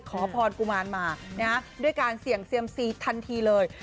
ขอพรกุมารมาด้วยการเสี่ยง๔ท่านทีเลย